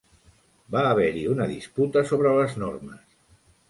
Va haver-hi una disputa sobre les normes.